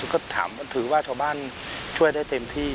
ก็ถามถือว่าชาวบ้านช่วยได้เต็มที่